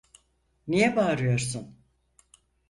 Niye bağırıyorsun?